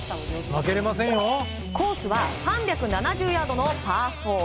コースは３７０ヤードのパー４。